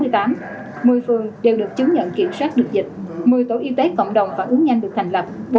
một mươi phường đều được chứng nhận kiểm soát được dịch một mươi tổ y tế cộng đồng và bốn nhân được thành lập